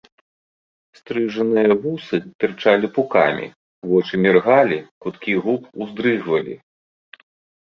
Стрыжаныя вусы тырчалі пукамі, вочы міргалі, куткі губ уздрыгвалі.